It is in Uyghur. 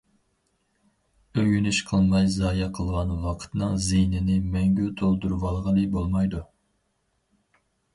ئۆگىنىش قىلماي زايە قىلغان ۋاقىتنىڭ زىيىنىنى مەڭگۈ تولدۇرۇۋالغىلى بولمايدۇ.